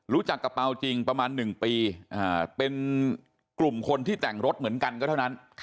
รู้จักกับเปล่าจริงประมาณ๑ปีเป็นกลุ่มคนที่แต่งรถเหมือนกันก็เท่านั้น